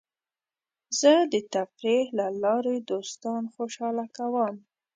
زه د تفریح له لارې دوستان خوشحاله کوم.